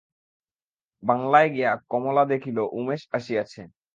বাংলায় গিয়া কমলা দেখিল উমেশ আসিয়াছে।